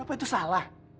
apa itu salah